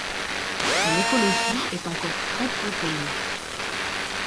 Son écologie est encore très peu connue.